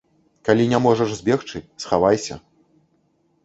Калі не можаш збегчы, схавайся.